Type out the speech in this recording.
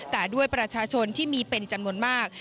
แต่ด้วยประชาชนที่มีเป็นจำนวนมาก